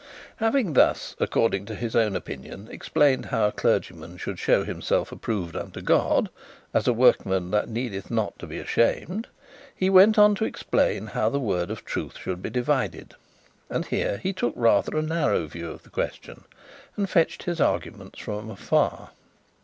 Having thus, according to his own opinion, explained how a clergyman should show himself approved unto God, as a workman that needeth not to be ashamed, he went on to explain how the word of truth should be divided; and here he took a rather narrow view of the question; and fetched arguments from afar.